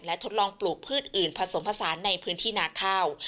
ทดลองปลูกพืชอื่นผสมผสานในพื้นที่นาข้าว